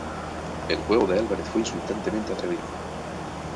El juego de Álvarez fue "inusualmente atrevido".